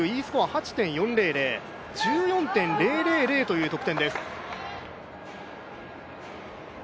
８．４００、１４．０００という得点です。